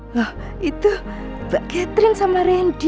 wah itu mbak catherine sama randy